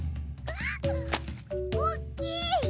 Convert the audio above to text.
おっきい！